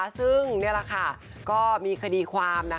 ซึ่งแม้นี่แหละก็มีขดีความ